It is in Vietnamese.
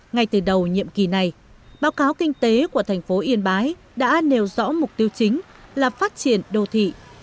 ngay từ đầu nhiệm kỳ này báo cáo kinh tế của thành phố yên bái đã nêu rõ mục tiêu chính là phát triển đô thị